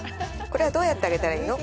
これはどうやってあげたらいいの？